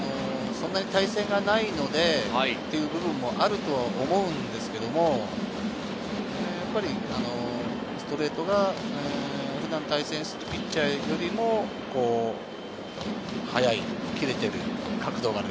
そんなに対戦がないのでという部分もあると思うんですけれども、ストレートが普段対戦してるピッチャーよりも速い、切れている、角度がある。